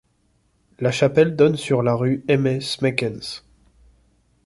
La chapelle donne sur la rue Aimé Smekens.